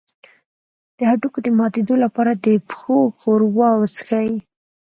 د هډوکو د ماتیدو لپاره د پښو ښوروا وڅښئ